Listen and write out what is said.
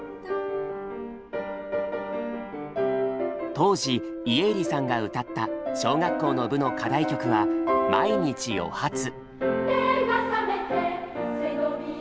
当時家入さんが歌った小学校の部の課題曲は「まいにち『おはつ』」。